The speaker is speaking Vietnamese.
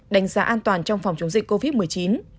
đánh giá an toàn trong phòng chống dịch covid một mươi chín